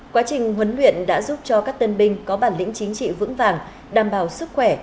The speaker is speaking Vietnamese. quá trình huấn luyện đã giúp cho các tân binh có bản lĩnh chính trị vững vàng đảm bảo sức khỏe